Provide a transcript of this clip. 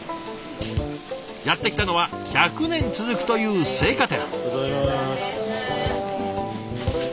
やって来たのは１００年続くという青果店。